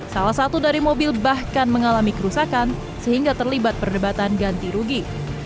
salah satu dari mobil bahkan mengalami kerusakan sehingga terlibat perdebatan ganti rugi